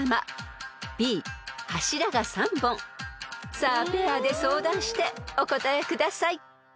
［さあペアで相談してお答えください］